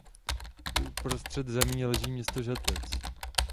Uprostřed území leží město Žatec.